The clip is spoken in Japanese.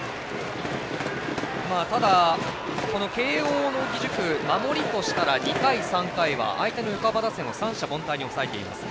ただ、この慶応義塾守りとしたら２回、３回は相手の横浜打線を三者凡退に抑えています。